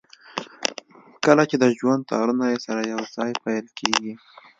کله چې د ژوند تارونه يې سره يو ځای پييل کېږي.